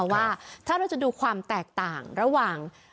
ว่าถ้าเราจะดูความแตกต่างระหว่าง